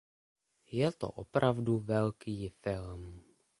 Je to opravdu velký film.